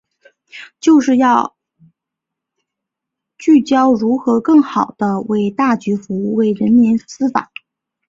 就是要聚焦如何更好地为大局服务、为人民司法